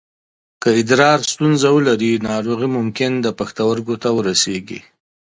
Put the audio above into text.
که ادرار ستونزه ولري، ناروغي ممکن د پښتورګو ته ورسېږي.